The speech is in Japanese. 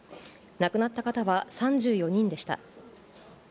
亡くなった方は３４人でした。